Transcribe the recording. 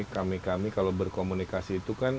kami kami kalau berkomunikasi itu kan